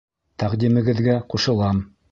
Тәҡдимегеҙгә ҡушылам.